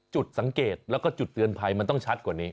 จุดสังเกตแล้วก็จุดเตือนภัยมันต้องชัดกว่านี้